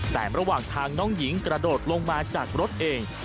แต่ระหว่างทางน้องหญิงกระโดดลงมาจากรถเอง